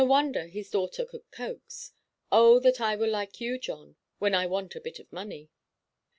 No wonder his daughter could coax. Oh that I were like you, John, when I want a bit of money!